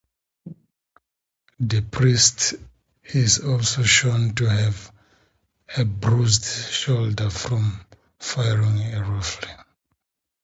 The priest is also shown to have a bruised shoulder from firing a rifle.